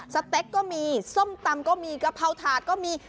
สเต็กก็มีส้มตำก็มีกะเพราถาดก็มี